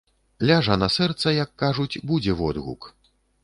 Ляжа на сэрца, як кажуць, будзе водгук.